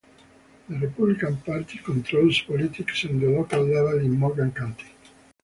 The Republican Party controls politics at the local level in Morgan County.